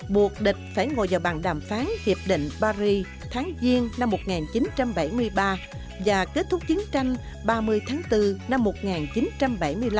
buộc địch phải ngồi vào bàn đàm phán hiệp định paris tháng giêng năm một nghìn chín trăm bảy mươi ba và kết thúc chiến tranh ba mươi tháng bốn năm một nghìn chín trăm bảy mươi năm